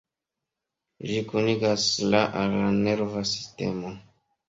Ĝi kunigas la al la nerva sistemo.